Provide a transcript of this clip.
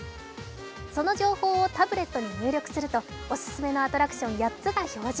その情報をタブレットに入力すると、オススメのアトラクション８つが表示。